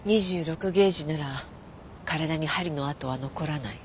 ゲージなら体に針の痕は残らない。